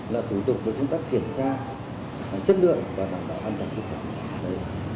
là thủ tục để chúng ta kiểm tra chất lượng và đảm bảo an toàn chất lượng